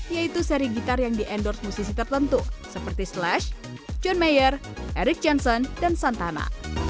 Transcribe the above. yaitu seri gitar yang di endorse musisi tertentu seperti slash john mayer eric johnson dan santana